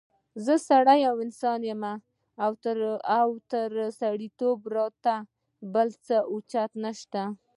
زه سړی یا انسان يم او تر سړیتوبه را ته بل څه اوچت نشته